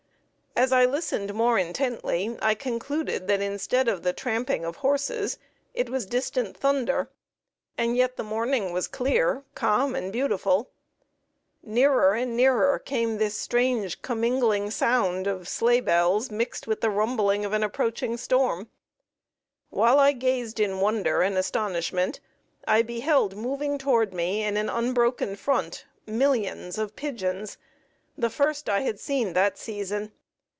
As I listened more intently I concluded that instead of the tramping of horses it was distant thunder; and yet the morning was clear, calm and beautiful. Nearer and nearer came the strange commingling sounds of sleigh bells, mixed with the rumbling of an approaching storm. While I gazed in wonder and astonishment, I beheld moving toward me in an unbroken front millions of pigeons, the first I had seen that season.